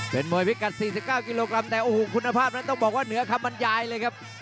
เป็นมวยพิกัด๔๙กิโลกรัมแต่โอ้โหคุณภาพนั้นต้องบอกว่าเหนือคำบรรยายเลยครับ